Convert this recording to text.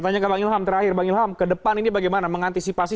tanya ke bang ilham terakhir bang ilham ke depan ini bagaimana mengantisipasi